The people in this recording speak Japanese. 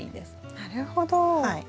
なるほど。